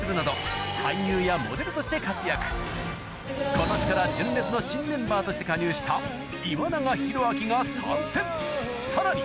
今年から純烈の新メンバーとして加入したが参戦さらに